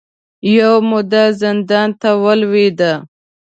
یوه موده زندان ته ولوېد